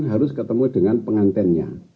harus ketemu dengan pengantennya